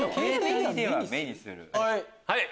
はい！